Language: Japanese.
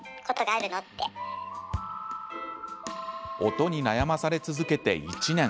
音に悩まされ続けて１年。